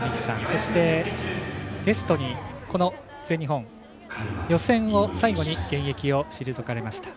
そして、ゲストにこの全日本予選を最後に現役を退かれました